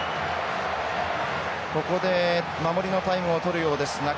ここで守りのタイムをとるようです。